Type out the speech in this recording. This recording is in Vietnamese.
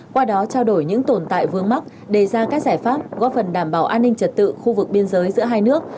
qua đó trao đổi những tồn tại vương mắc đề ra các giải pháp góp phần đảm bảo an ninh trật tự khu vực biên giới giữa hai nước